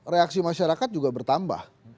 reaksi masyarakat juga bertambah